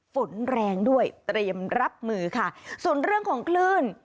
ฝนแรงด้วยเตรียมรับมือค่ะส่วนเรื่องของคลื่น